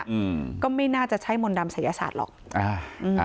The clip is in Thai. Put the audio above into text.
อืมก็ไม่น่าจะใช่มนต์ดำศัยศาสตร์หรอกอ่าอืมอ่า